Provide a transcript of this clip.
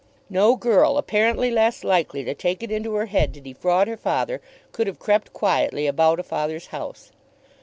No girl apparently less likely to take it into her head to defraud her father could have crept quietly about a father's house.